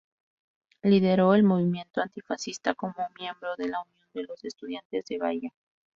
Lideró el Movimiento Antifascista como miembro de la Unión de los Estudiantes de Bahía.